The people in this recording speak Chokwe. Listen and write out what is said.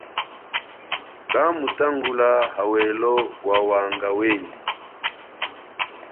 Kamutangula hawelo wawanga wenyi.